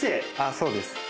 そうです。